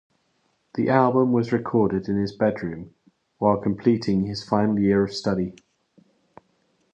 The album was recorded in his bedroom while completing his final year of study.